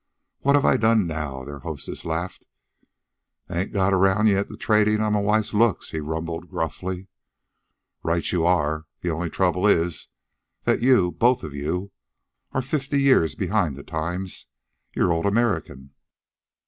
"What have I done now?" their hostess laughed. "I ain't got around yet to tradin' on my wife's looks," he rumbled gruffly. "Right you are. The only trouble is that you, both of you, are fifty years behind the times. You're old American.